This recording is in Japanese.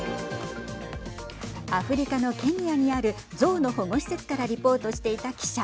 アフリカのケニアにある象の保護施設からリポートしていた記者。